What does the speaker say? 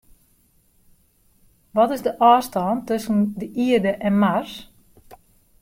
Wat is de ôfstân tusken de Ierde en Mars?